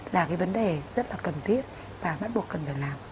là cái vấn đề rất là cần thiết và bắt buộc cần phải làm